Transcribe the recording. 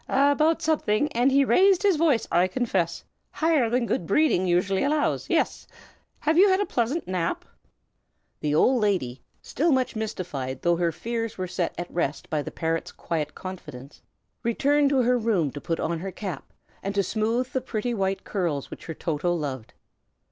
about something, and he raised his voice, I confess, higher than good breeding usually allows. Yes. Have you had a pleasant nap?" The good old lady, still much mystified, though her fears were set at rest by the parrot's quiet confidence, returned to her room to put on her cap, and to smooth the pretty white curls which her Toto loved.